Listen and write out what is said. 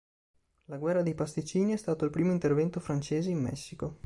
La guerra dei pasticcini è stato il primo intervento francese in Messico.